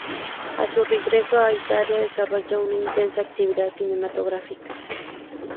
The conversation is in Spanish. A su regreso a Italia, desarrolló una intensa actividad cinematográfica.